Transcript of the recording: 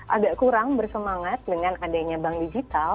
agak kurang bersemangat dengan adanya bank digital